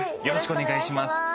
よろしくお願いします。